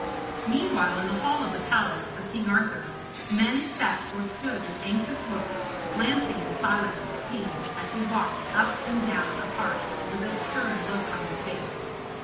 Meanwhile, in the hall of the palace of King Arthur, men sat or stood with anxious looks, glancing in silence at the king, as he walked up and down apart, with a stern look on his face.